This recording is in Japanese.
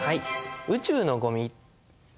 宇宙のゴミって。